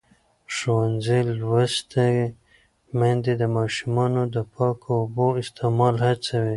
ښوونځې لوستې میندې د ماشومانو د پاکو اوبو استعمال هڅوي.